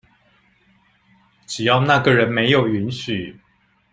只要那個人沒有允許